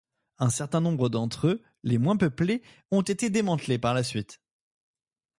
Un certain nombre d'entre eux, les moins peuplés, ont été démantelés par la suite.